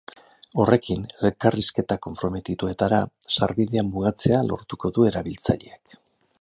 Horrekin, elkarrizketa konprometituetara sarbidea mugatzea lortuko du erabiltzaileak.